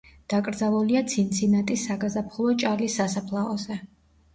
დაკრძალულია ცინცინატის საგაზაფხულო ჭალის სასაფლაოზე.